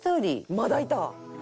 まだいた！